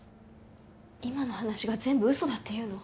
今の話が全部嘘だっていうの？